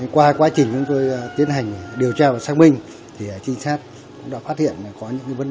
qua quá trình chúng tôi tiến hành điều tra và xác minh thì trinh sát đã phát hiện có những vấn đề nó cũng đặc biệt và nó cũng cháy quy luật một chút